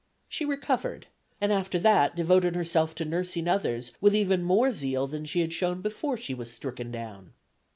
She recovered, and after that devoted herself to nursing others with even more zeal than she had shown before she was stricken down.